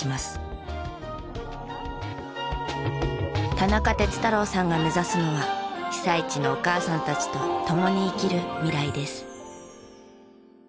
田中鉄太郎さんが目指すのは被災地のお母さんたちと共に生きる未来です。